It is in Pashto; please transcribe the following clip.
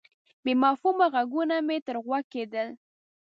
بې مفهومه ږغونه مې تر غوږ کېدل.